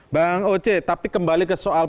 bang oce tapi kembali ke soal